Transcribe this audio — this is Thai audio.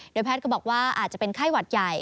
แพทย์ก็บอกว่าอาจจะเป็นไข้หวัดใหญ่